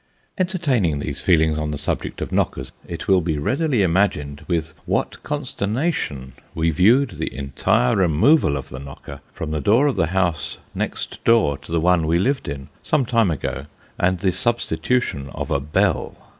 Entertaining these feelings on the subject of knockers, it will be readily imagined with what consternation we viewed the entire removal of the knocker from the door of the next house to the one we lived in, some time ago, and the substitution of a bell.